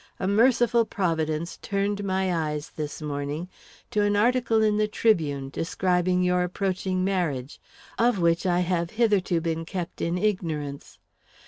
A Merciful Providence turned my eyes, this morning, to an article in the Tribune, describing your approaching marriage, of which I have hitherto been kept in ignorance.